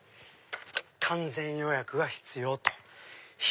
完全予約が必要！と。